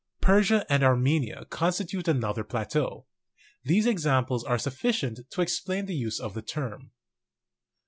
Persia and Armenia constitute another plateau. These examples are sufficient to explain the use of the term.